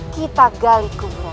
kita gali kuburan